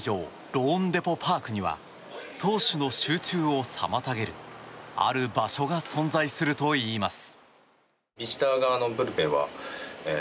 ローンデポ・パークには投手の集中を妨げるある場所が存在するといいます。